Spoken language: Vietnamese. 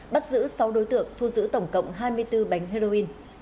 bắt giữ sáu đối tượng thu giữ tổng cộng hai mươi bốn bánh heroin